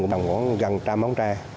của đồng quán gần trăm bóng tre